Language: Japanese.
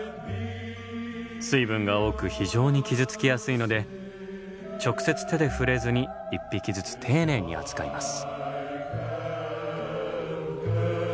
水分が多く非常に傷つきやすいので直接手で触れずに１匹ずつ丁寧に扱います。